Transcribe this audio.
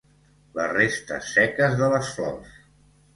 Les restes seques de les flors.